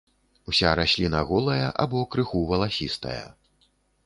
Уся расліна голая або крыху валасістая.